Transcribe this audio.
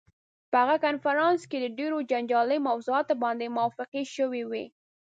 په هغه کنفرانس کې ډېرو جنجالي موضوعاتو باندې موافقې شوې وې.